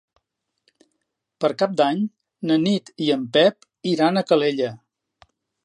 Per Cap d'Any na Nit i en Pep iran a Calella.